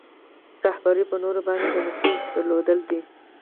رهبري په نورو باندې د نفوذ درلودل دي.